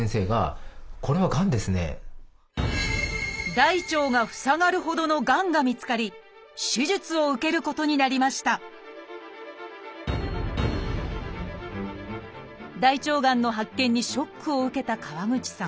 大腸が塞がるほどのがんが見つかり手術を受けることになりました大腸がんの発見にショックを受けた川口さん。